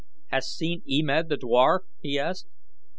"Hast seen E Med the dwar?" he asked.